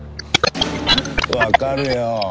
わかるよ。